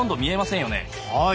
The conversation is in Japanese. はい。